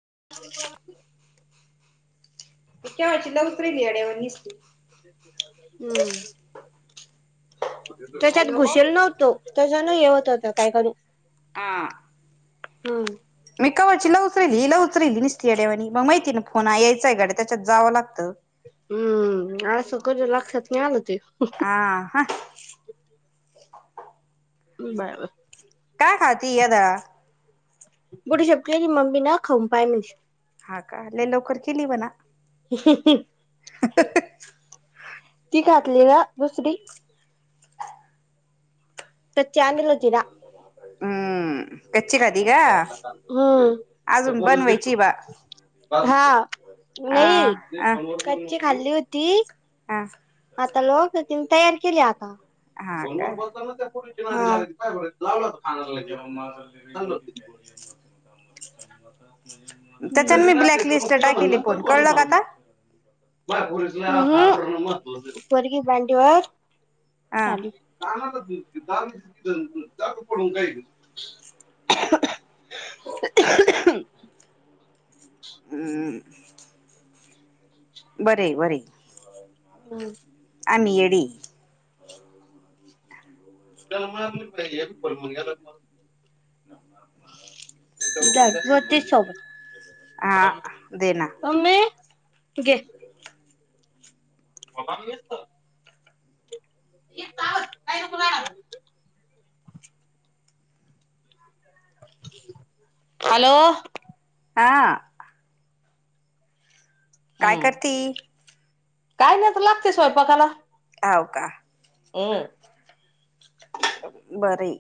[unintelligible] केवायचीला उतरे, नि येड्यावाणी निसती. हम्म त्याच्यात हॅलो घुसेल नव्हतो, त्याच्यानं हे होत. त काय करू. हा हम्म मी काय वाटते. तिला उचल हिला उचल निसती येड्यावाणी, मला माहिती ना फोन यायचंय गड्या त्याच्यात जावं लागतं. हम्म आळस क लक्षात नाही आलं ते. आा ह. Bye bye. काय खाती आता. [unintelligible] ह का, लवकर केली म्हणा. [unintelligible] ती घातली ग दुसरी तर चांदलं [unintelligible] हम्म कच्ची खाती का, हम्म अजून बनवायची बाळ हा नाही कच्ची खाल्ली होती. ह आता लोक तिनं तयार केली आता. हा फोन का वर बोलताना त्या [inaudible] कानाला लगेच [inaudible] त्याच्यान जरी मी ना ब्लॅक लिस्टला [inaudible] म्हण टाकेली नंतर फोन कॉल कळलं का पण आता मग. हम्म, पोरगी मांडीवर हा चालेू [inaudible] पडून काही [inaudible] हम्मम बर हेय बर हेय हो आमि येडे हाय. [unintelligible] [unintelligible] हा दे ना गे त एक तास कायकला [inaudible] हॅलो ह काय हम्म करती. काय नाही तर लागते स्वयंपाकाला. हावका हमं बरी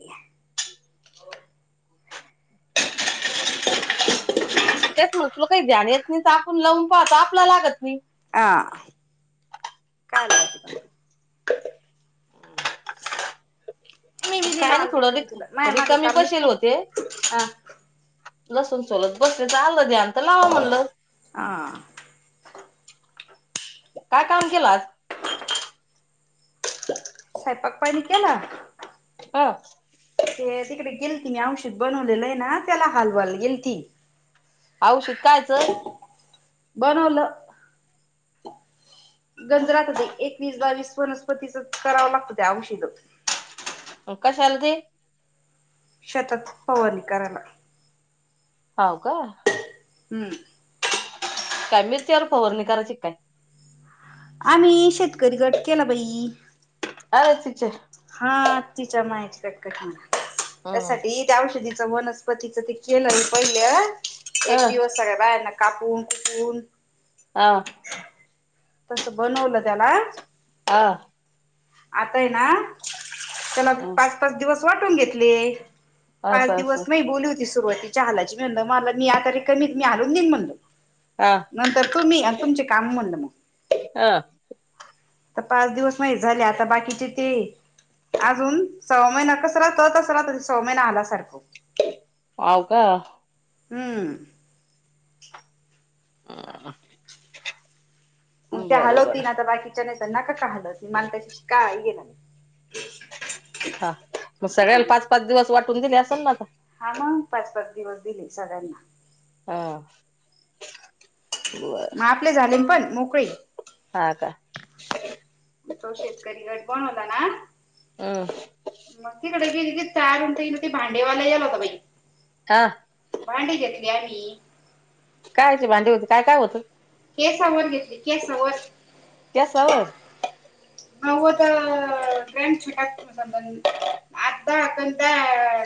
तेच म तुला काही ध्यान येत नाही तर आपण लावून पाहत आपला लागत नाही [inaudible] हा कायल मी मी दिला, काय ना आल थोडं रिक रिकामी बसेल [inaudible] लसून सोलत बस चा आललं ध्यान मलावा म्हलं हा काय काम केलं आज. सयपाक पानी केला ह. ते तिकडे गेलती मी औषत बनवलेलं ये ना त्याला हालवाल गेलती. औषित कायचं बनवलं गंजरात एकवीस बावीस वनस्पतीच कराव लागतो त्या औषीद. कशाल ते शेतात फवारणी करायला. हाव का? हम्म. मिरचीवर फवारनी कराचि काय? आम्ही शेतकरी गट केला बाई. अ तच च हा तिच्या मायेची कटकट म्हणा. हम्म त्यासाठी त्या औषधी वनस्पतीच ते केलं न पहिल्या एक अ दिवस सगळ्या बाय ना कापून कुपून तस बनवलं त्याला हा. आताय ना त्याला हा पाच पाच दिवस वाटून घेतली. पाच असं असं दिवस मी बोलू सुरुवातीच्या हालाची म्हण मला मी आ तरी कमीत मी हालून नीन म्हणलो हा नंतर तुम्ही आणि तुमचे काम म्हंनलं मग हा तर पाच दिवस माही झाले आता बाकीचे ते अजून सव्वा महिना कस राहतो तसं राहतो सव्वा महिना आला सारखं हाव का हम्म. ह म ते हलवती ना आता बाकी च्या तेना का हाल [unintelligible] समानतशी काळी ह गेन [unintelligible] हा मग हा सगळ्याला पाच पाच दिवस वाटून दिले असल ना आता हा मग पाच पाच दिवस दिले सगळ्यांना हा. बर मा आपले झाले पण मोकळे ह का तो शेतकरी गड बनवला ना हम्म मग तिकडे गेली. ती तयार होतीन हे म्हणती भांडेवाला आला ग बाई. हा. भांडी घेतली आम्ही. कायची भांडी होती काय काय होतं. केसावर घेतली केसावर गॅसावर नवद अ ग्रॅम छटाक अकरा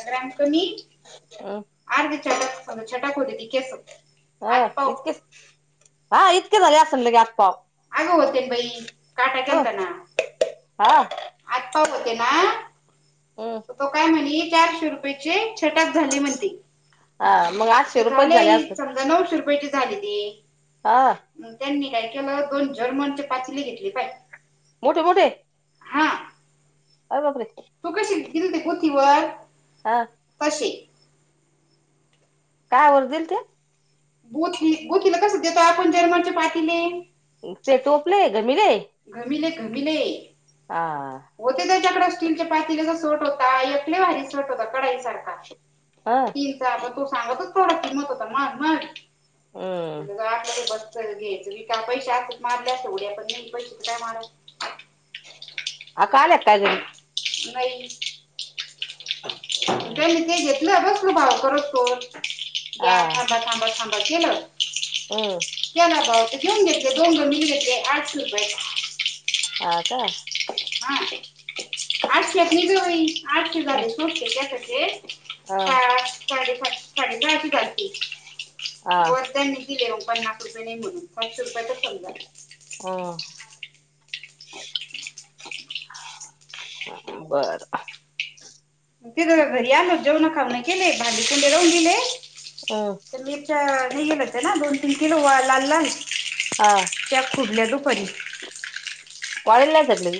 ग्रॅम कमी [unintelligible] [unintelligible] हा आठ पाव इतकीच हा इत तूला बी असंल गॅप पाव आग होतेन बाई काटा ह गेलताना हा आटपट होतेना. हम् तो काय म्हणे चारशे रुपयचे छटाक झाले म्हणते हा मग आठशे ते रुपयेच झाले असेल समजा नऊशे रुपयचे झाले. हा ते त्यांनी काही त्यावर मला दोन जर्मण ची पातेली घेतली. मोठे मोठे अरे बापरे! तू कशी दिल ती पोथीवर हा पशीे काय वरदिलत गोथली गोथलीला कस देतोय आपण जरमंची पातीली, ते टोपले घमीले घमिले घमिले हा आ त्याच्याकड स्टीलच्या पातील्याचा सट होता एक लई भारी सट होता कडाईसारखा ह तीन चारण तो सांगतच. सोडा की नको तर [unintelligible] म्हलं हम्म [unintelligible] बसच घ्यायचं हुई. त्या पैशा असत्यातर मारल्या असत्या उड्या पण नई पैशे कुठं हाय मायाकड अ का आल्या काय घरी न्हाई. त्यांनी ते घेत [unintelligible] हा ग्या थांबा-थांबा-थांबा आक ये ना हम्म क्या ना बाव [unintelligible] चूप बस्स आं का? हां, आठशेतली जुळी [unintelligible] आठशे ह झाले सुट्टे द्या तरी. ए ह काय आठ- साडे पाच साडे सहाशी झालती हा वर द्या नी दिले ओ पन्नास रुपये नई म्हणून. पश्शे रुप तेचं पंधरा बरं ते ग घरी आलो, जेवून खाऊनं केले, भांडी कोंडे लावून दिेले. हम् तर मीच्या निघेल होते ना दोन? तीन किलो वा लाल लाल. हा त्या खुडल्या दुपारी. काय लगदलई.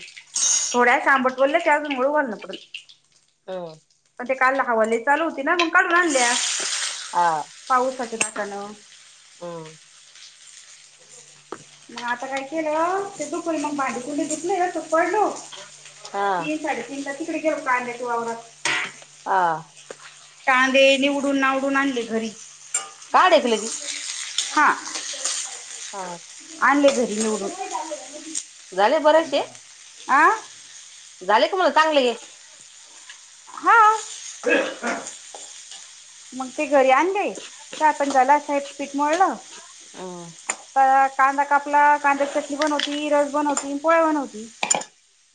थोड्या सांबट वोल्लं त्याच मूळ ओल्लं पडल. हो णजे काल हवा लई चालू होती ना म्हणू काढून आणल्या. पाऊ पतोय दाट अलो अम्म मग आता काय केलं, ते दुकलं मग भांडी कुंडी धुतले का तो. पळलो, हा तीन साडे तीन ला [unintelligible] कांद्याच्या वावरात आ कांदे निवडून नावडून आणले घरी. काढ एक लगी [unintelligible] हां हा आणले घ निवडून [unintelligible] झाले बरेशे? अं झाले का मग चांगले हा [unintelligible] मग ते घरी आणले चहापाणी झाला स्वयंपाक पीठ मळ हम्म [unintelligible] कांदा कापला कांद्याची चटणी बनवती रस बनवती पोळ्या बनवती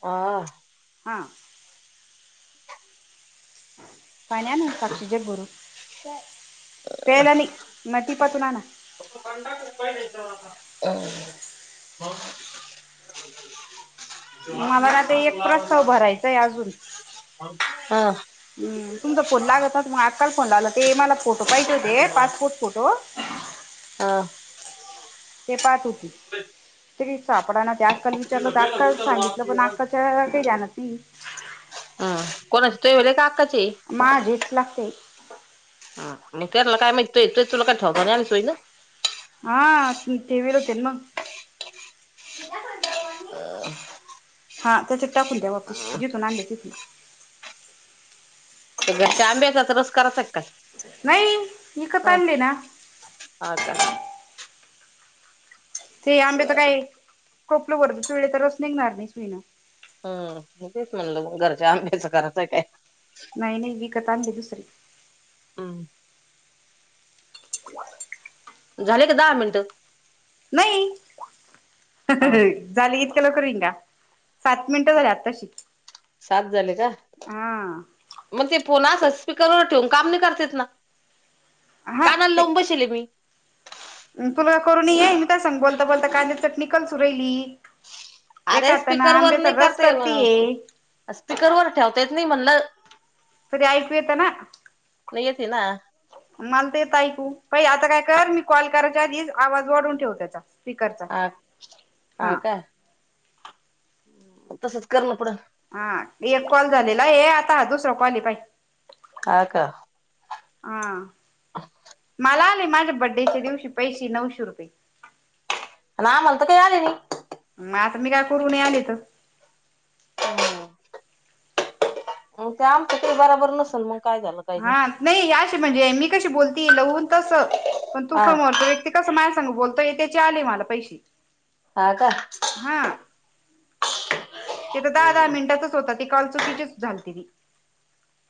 हा हां [unintelligible] पाणी आना ना साक्षी जग भरून तर तेलाने नटी परतुन आना [unintelligible] मला ना ते एक प्रस्ताव भरायचाय अजून हा हम्म तुमचा फोन लागत नव्हता म अक्काला फोन लागला ते मला फोटो पाहिजे होते पासपोर्ट फोटो [unintelligible] हा ते पाठ होती इस्तरी सापडना अक्काला विचारलं होतं अक्काला सांगितलं पण अक्काच्या काही ध्यानात [unintelligible] हम्म कोणाचे तुहीवाले का आक्काचे माझेच लागते [unintelligible] हा मग त्यांना काय माहित तुही ठाऊक नाही आलं सुईन हा ठेवेल होते ना मग [unintelligible] अ हा त्याच्या टाकून द्या वापीस जिथून आणल्या तिथून त घरच्या आंब्याचा तर रस करायचा आहे का काय नाही इकत हा आणले ना हा का ते आंबे तर बरं काय टोपलभरून पिळले तर रस निघणार नाही सुईन हम्म तेच म्हणलं घरच्या आंब्याचं करायचं आहे काय नाई नाई वीक [unintelligible] दुसरी हम्म झाले का दहा मिनटं नाही अ हं हा हे झाल इतक्या लवकरिंगा सात झाले का हा मग ते फोनासच स्पीकरवर ठेवून काम नाही करता येत ना. कानाला लावून बसले मी. अ तुला करून ये मी काय सांगू बोलता बोलता काय ती चटणी करतू राहि. अरे स्पीकरवरनी करता करतीये [unintelligible] स्पीकरवर ठेवतायत नाही म्हणलं. [unintelligible] तरी ऐकू येत ना. न ई येेतीना. मला तर येत ऐकू बाई आता काय कर मी कॉल करायच्या आधीच आवाज वाढवून ठेव तेचा. [unintelligible] मग तसच कर ना पुढं. हां एक कॉल झालेला आहे. आता आजु दुसरा कॉल पाइ आ का. आं [unintelligible] मला आले माझ्या बड्डेच्या दिवशी पैसे नऊशे रुपये. ना आमाला तर काय आलं नाही. मग आता मी काय करू नय आले त, [unintelligible] हं ते आमच्याशी बराबर नसल मग. काय झालं काही हां नाही याशी मजे मी कशी बोलतीय लवून तसं. पण तू हा समोरचा व्यक्ती का समाज तो बोलतोय त्याचे आले मला पैसे. हा का हां ते त धा धा मिनटातच होता. ते कॉल चुकीचीच झाल ते बी.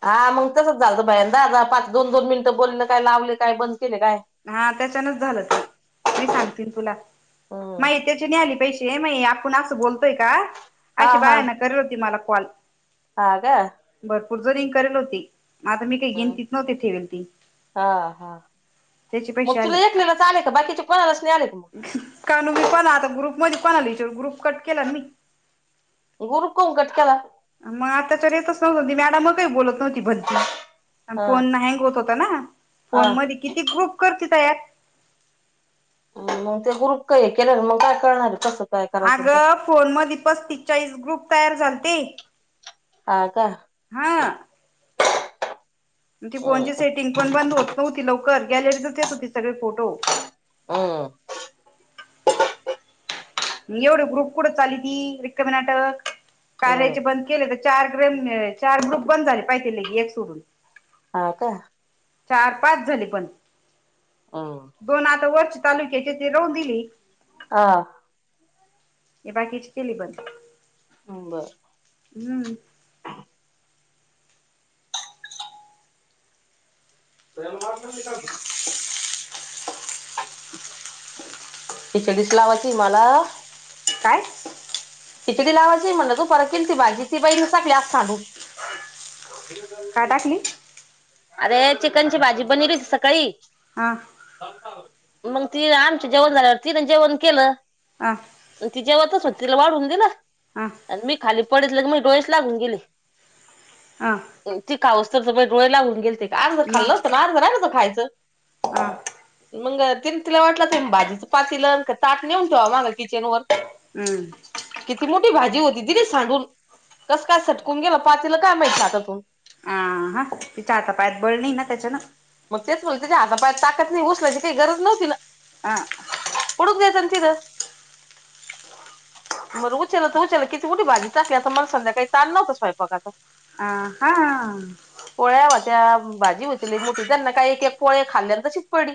हा मंग तसच झालत भयंदा पाच दोन दोन मिनिटं बोलण काय लावले काय पण हा त्याच्यानच झालं ते मी सांगतीन तुला हम्म मयत्याची नाइ आली पैसे य मई आपण असं बोलतोय का? अशी बायान करी होती मला. कॉल. आं काय? तुज रींग करत होती. म आता मी काय गिनतीत नव्हते ठेवेल ती हा हा त्याचे मग तुला एकलेला च आले का बाकीच्या कोणालाच नाही. का मग कान मी कोण आता ग्रुप मध्ये कोणाला विचारू ग्रुप फुकट केला मी. ग्रुप कोण कट केला मग आताच्यावर येतच नव्हत त मॅडम मग काही बोलत भलती आणि हा फोन हँग होत होता ना हा फोन मदी ग्रुप करती त्यात मग ते ग्रुप का हे केले मग काय करणार आहे कस अगं फोन म पस्ती स चाळीस ग्रुप तयार झालते आ का ण ती फोनची हम्म सेटिंग पण बंद होत नव्हती लवकर गॅलरीतच येत होती सगळे फोटो ह एवढं ग्रुप कुठं चाली ती रिक्मी नाटक कार्य हम्म चे बंद केले तर चार ग्रुप बंद झाले पाहिजे ले एक सोडून हा का चार पाच झाली पण हम्म दोन आता वच चालू केले ते राहू दिले हा ए बाकीची केली बंद बरर हम्म रेल मार्ग निका खिचडी लावाची मला काय खिचडी लावायची म्हणल दुपारी केलती भाजी त्याती ती बाईने सगळी आज सांडून का टाकली [inaudible] अरे चिकन ची भाजी बनली होती सकाळी हा ह ह मग ती आमच्या जेवण झाल्यावर तिने जेवण केलं हा तिच्यावर स्व तिला वाढ होऊन दिला हा आणि मी खाली पडत ले मग डोळेस लागून गेली ह पावसाचं बाई डोळे लावून गेलते आज जरा खाल्लं मग होतं ना जरा राहायचं खायचं हा मग तिला वाटलं असेल भाजीचं पातील आणि ताट नेऊन ठेवा माग किचन वर हम्म किती मोठी भाजी होती दिली सांडून कसं काय सटकून गेलं पातील काय माहित हातातून हा हा हा तिच्या हाता पायात बळ नाही ना त्याच्यानंतर मग तेच म्हणते ना हाता पायात ताकत नाही ना उचलायची काय गरज नव्हती ना आं पडून द्यायचं तीत बर उचलले तर उचलली किती मोठी भाजी टाकली संध्याकाळी स्वयंपाकाचा ताण नव्हता मला हा त्यात भाजी होती लय मोठी त्यांना काय एक - एक पोळ्या खाल्ल्या तशीच पडली भाजी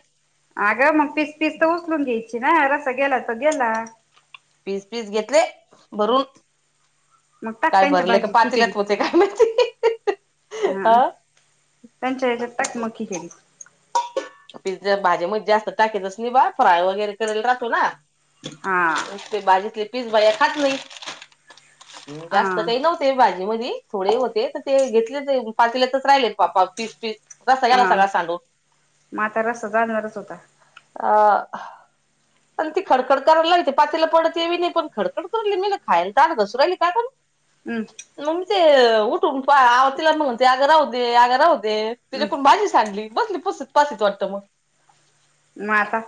अगं मग पीस पीस तर उचलून द्यायचे ना रस् सा गेला तर गेला. पीस पीस घेतले भरून मग टाक काय त्यांच्या भरले का भाजीत खिचडीत, पातील्यात होते काय माहिती हा त्यांचा याच्यात टाक मग खिचडीत पिझ्झा भाज्यांमध्ये जास्त टाकतच नाही बा फ्राय वगैरे केरायला राहतो ना हा एक ते भाजीतले पीस बया काही खात नाही हा जास्त काही नव्हते भाजी मधी थोडेही होते ते घेतले ते पातेल्यातच राहिले, पीस पीस रसा गेला सगळा सांडून म्हाता रसा जाणारच होता. हा ती खडखड करायला लागली ते पातेल पडल ते बी खडखड करायला लागली मी म्हणलं कायला दात कसू राहिली का हम्म बरं मग ते उठून तिला मग म्हणते अग राहू दे, अग राहू दे, तुझ्याकडून हम्म भाजी सांडली बसली पुसत पहाटी मग मग आता